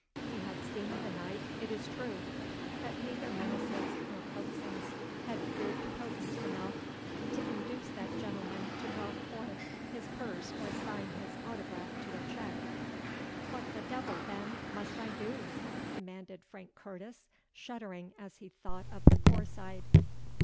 He had seen the knight, it is true; but neither menaces nor coaxings had proved potent enough to induce that gentleman to draw forth his purse or sign his autograph to a cheque. "What the devil, then, must I do?" demanded Frank Curtis, shuddering as he thought of the Poor Side.